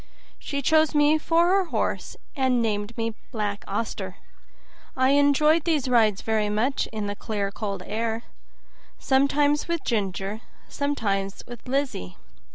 She chose me for her horse, and named me "Black Auster". I enjoyed these rides very much in the clear cold air, sometimes with Ginger, sometimes with Lizzie.